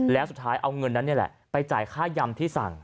แล้วสุดท้ายเอาเงินนั้นนี่แหละไปจ่ายค่ายำที่สั่ง